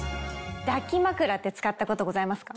抱き枕って使ったことございますか？